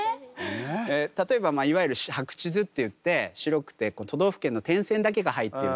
例えばいわゆる白地図っていって白くて都道府県の点線だけが入ってる地図があるんですね。